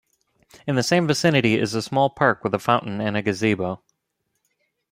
In the same vicinity is a small park with a fountain and a gazebo.